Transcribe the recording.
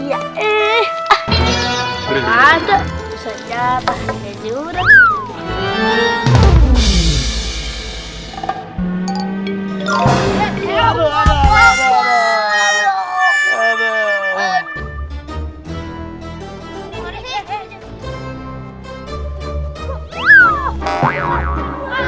aduh ustadznya panggilnya juga